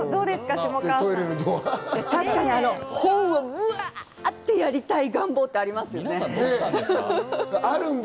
たしかに本をガってやりたい願望ありますよね。